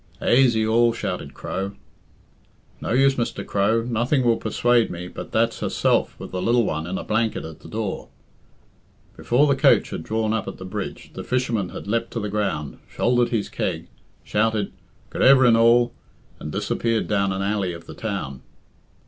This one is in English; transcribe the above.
"Aisy all," shouted Crow. "No use, Mr. Crow. Nothing will persuade me but that's herself with the lil one in a blanket at the door." Before the coach had drawn up at the bridge, the fisherman had leapt to the ground, shouldered his keg, shouted "Good everin' all," and disappeared down an alley of the town.